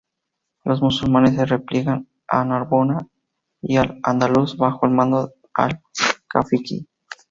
Los musulmanes se repliegan a Narbona y al-Ándalus bajo el mando de al-Gafiqi.